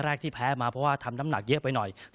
แรกที่แพ้มาเพราะว่าทำน้ำหนักเยอะไปหน่อย